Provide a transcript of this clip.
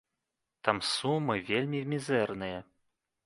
Там сумы вельмі мізэрныя.